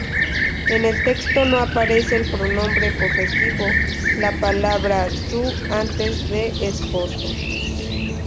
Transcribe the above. En el texto no aparece el pronombre posesivo, la palabra "su" antes de "esposo".